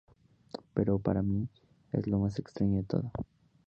Pero para mi, es lo más extraño de todo.